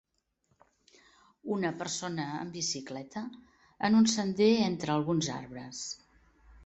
Una persona en bicicleta en un sender entre alguns arbres